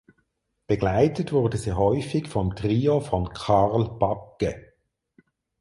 Begleitet wurde sie häufig vom Trio von Carl Bagge.